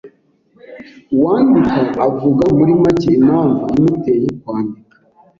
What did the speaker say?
Uwandika avuga muri make impamvu imuteye kwandika